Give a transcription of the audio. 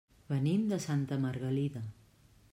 Venim de Santa Margalida.